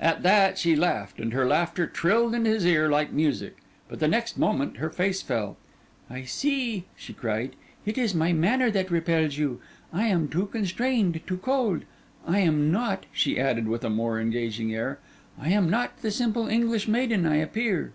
At that she laughed, and her laughter trilled in his ear like music; but the next moment her face fell. 'I see,' she cried. 'It is my manner that repels you. I am too constrained, too cold. I am not,' she added, with a more engaging air, 'I am not the simple English maiden I appear.